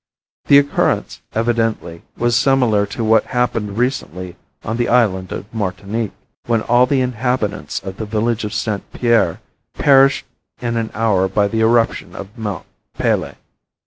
The occurrence, evidently, was similar to what happened recently on the island of Martinique, when all the inhabitants of the village of St. Pierre perished in an hour by the eruption of Mont Pelee.